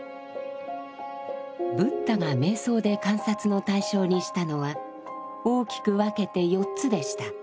ブッダが瞑想で観察の対象にしたのは大きく分けて４つでした。